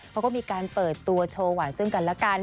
เขาก็มีการเปิดตัวโชว์หวานซึ่งกันแล้วกัน